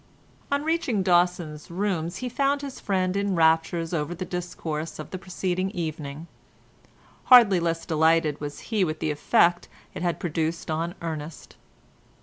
On reaching Dawson's rooms, he found his friend in raptures over the discourse of the preceding evening. Hardly less delighted was he with the effect it had produced on Ernest.